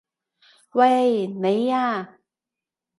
喂！你啊！